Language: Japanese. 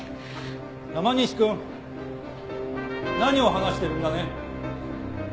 山西くん。何を話してるんだね？